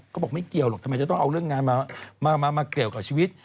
ก็บอกไม่เกี่ยวหรอกทำไมจะต้องเอาเรื่องงานมาเกี่ยวกับชีวิต